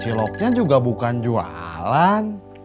ciloknya juga bukan jualan